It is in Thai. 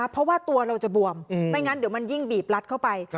เพราะว่าตัวเราจะบวมไม่งั้นเดี๋ยวมันยิ่งบีบรัดเข้าไป